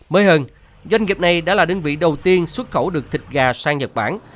mới hơn doanh nghiệp này đã là đơn vị đầu tiên xuất khẩu được thịt gà sang nhật bản